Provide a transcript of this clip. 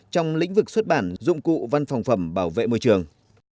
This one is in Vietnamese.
trong lĩnh vực xuất bản dụng cụ văn phòng phẩm bảo vệ môi trường